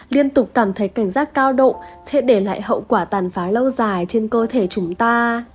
liên tục cảm thấy cảnh giác cao độ sẽ để lại hậu quả tàn phá lâu dài trên cơ thể chúng ta